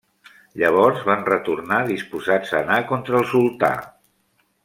Llavors van retornar disposats a anar contra el sultà.